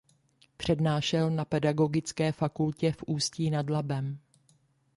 Přednášel na pedagogické fakultě v Ústí nad Labem.